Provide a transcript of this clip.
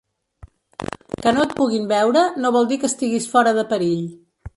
Que no et puguin veure no vol dir que estiguis fora de perill.